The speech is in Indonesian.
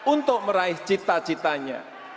untuk meraih cita citanya